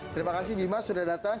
terima kasih dimas sudah datang